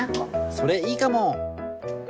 それいいかも。